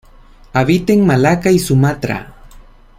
Habita en Malaca y Sumatra.